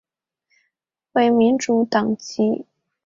为民主党籍。